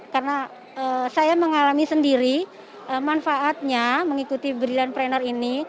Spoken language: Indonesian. karena saya mengalami sendiri manfaatnya mengikuti brilliantpreneur ini